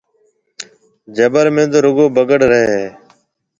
جبل ۾ تو رگو بگڙ رهيَ هيَ۔